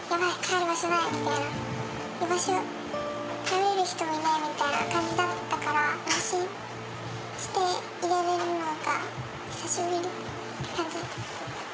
居場所、頼れる人もいないみたいな感じだったから、安心していられるのが久しぶりっていう感じ。